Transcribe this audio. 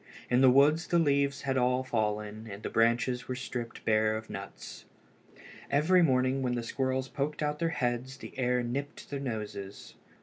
In the woods the leaves were all fallen and the branches were stripped bare of nuts. Every morning when the squirrels poked out their heads the air nipped their noses.